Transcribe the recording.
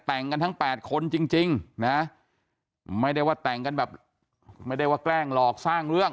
แต่งกันทั้ง๘คนจริงนะไม่ได้ว่าแต่งกันแบบไม่ได้ว่าแกล้งหลอกสร้างเรื่อง